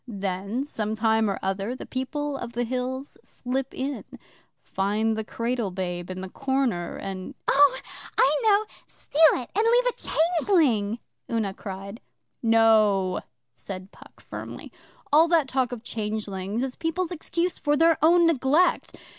Then, some time or other, the People of the Hills slip in, find the cradle babe in the corner, and ' 'Oh, I know. Steal it and leave a changeling,' Una cried. 'No,' said Puck firmly. 'All that talk of changelings is people's excuse for their own neglect.